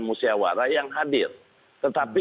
musyawara yang hadir tetapi